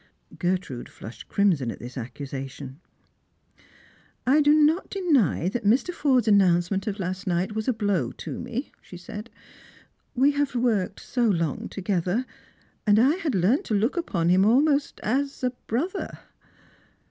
Gertrude flushed crinison at this accusation. "I do not deny that Mr. Forde's announcement of last night was a blow to me," she said. " We have worked so long together, and I had learnt to look upon him almost as a brother.''